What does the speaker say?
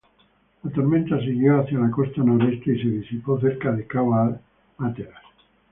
La tormenta siguió hacia la costa noreste, y se disipó cerca de Cabo Hatteras.